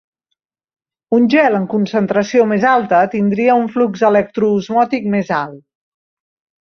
Un gel en concentració més alta tindria un flux electroosmòtic més alt.